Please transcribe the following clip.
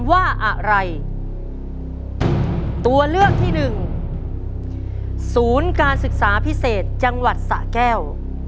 ว่าอะไรตัวเลือกที่หนึ่งศูนย์การศึกษาพิเศษจังหวัดสะแก้ว